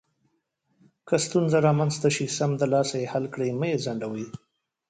که ستونزه رامنځته شي، سمدلاسه یې حل کړئ، مه یې ځنډوئ.